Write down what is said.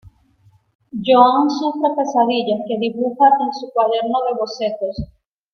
Johan sufre pesadillas que dibuja en su cuaderno de bocetos.